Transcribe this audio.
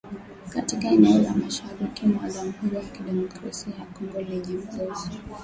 Katika eneo la mashariki mwa Jamuhuri ya kidemokrasia ya kongo lenye mzozo